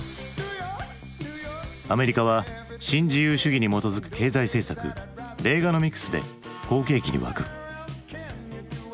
アメリカは新自由主義に基づく経済政策レーガノミクスで好景気に沸く。